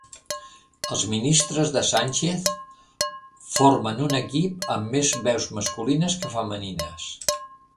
Els ministres de Sánchez formen un equip amb més veus masculines que femenines.